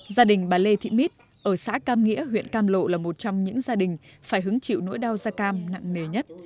gia đình bà lê thị mít ở xã cam nghĩa huyện cam lộ là một trong những gia đình phải hứng chịu nỗi đau da cam nặng nề nhất